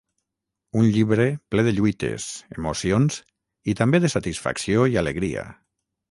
Un llibre ple de lluites, emocions i també de satisfacció i alegria.